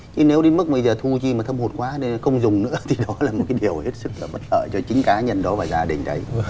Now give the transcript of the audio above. chứ nếu đến mức thu chi mà thâm hụt quá nên không dùng nữa thì đó là một điều hết sức bất lợi cho chính cá nhân và gia đình đấy